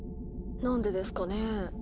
何でですかね？